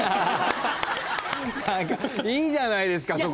いいじゃないですか